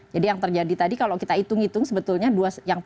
jadi yang terjadi tadi kalau kita hitung hitung